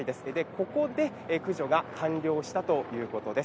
ここで駆除が完了したということです。